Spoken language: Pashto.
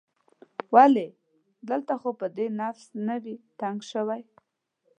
ولې؟ دلته خو به دې نفس نه وي تنګ شوی؟